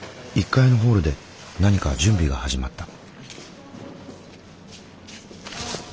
１階のホールで何か準備が始まった。